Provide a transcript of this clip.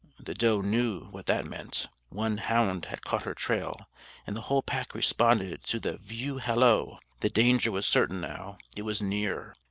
The doe knew what that meant. One hound had caught her trail, and the whole pack responded to the "view halloo." The danger was certain now; it was near.